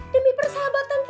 demi persahabatan kita